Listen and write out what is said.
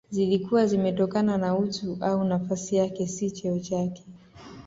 Zilikuwa zimetokana na utu au nafsi yake si cheo chake